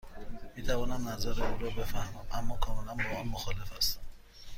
می توانم نظر او را بفهمم، اما کاملا با آن مخالف هستم.